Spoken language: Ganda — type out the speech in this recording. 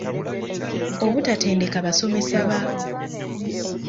Obutatendeka basomesa ba